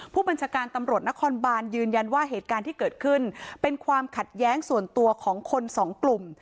ผู้บัญชาการตำรวจนครบานยืนยันว่าเหตุการณ์ที่เกิดขึ้นเป็นความขัดแย้งส่วนตัวของคนสองกลุ่ม